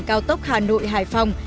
cao tốc hà nội hải phòng